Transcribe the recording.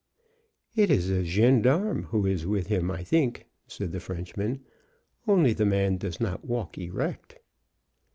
"It is a gendarme who is with him, I think," said the Frenchman, "only the man does not walk erect."